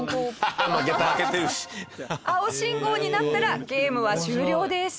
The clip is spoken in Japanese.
青信号になったらゲームは終了です。